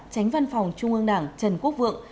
tránh văn phòng trung ương đảng trần quốc vượng